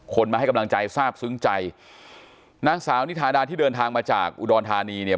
มาให้กำลังใจทราบซึ้งใจนางสาวนิทาดาที่เดินทางมาจากอุดรธานีเนี่ย